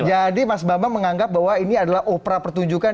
jadi mas bamba menganggap bahwa ini adalah opera pertunjukan